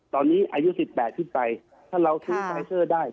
ตอนนี้อายุ๑๘ขึ้นไปถ้าเราซื้อไฟเซอร์ได้